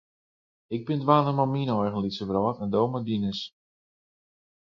Ik bin dwaande mei myn eigen lytse wrâld en do mei dines.